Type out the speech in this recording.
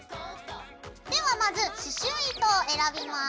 ではまず刺しゅう糸を選びます。